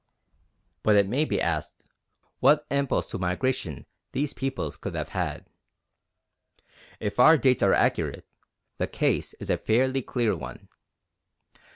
But it may be asked what impulse to migration these peoples could have had. If our dates are accurate, the case is a fairly clear one.